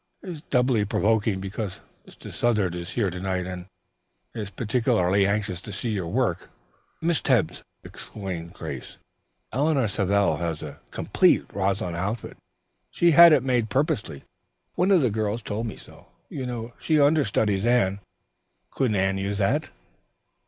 It is doubly provoking, because Mr. Southard is here to night, and is particularly anxious to see your work." "Miss Tebbs," exclaimed Grace, "Eleanor Savell has a complete 'Rosalind' outfit. She had it made purposely. One of the girls told me so. You know she understudies Anne. Couldn't Anne use that?"